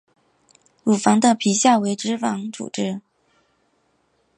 乳房的皮下为脂肪组织。